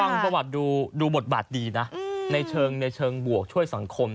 ฟังประวัติดูบทบาทดีนะในเชิงในเชิงบวกช่วยสังคม